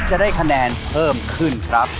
จะได้คะแนนเพิ่มขึ้นครับ